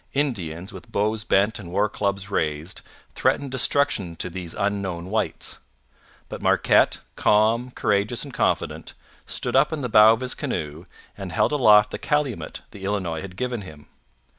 Indians, with bows bent and war clubs raised, threatened destruction to these unknown whites; but Marquette, calm, courageous, and confident, stood up in the bow of his canoe and held aloft the calumet the Illinois had given him.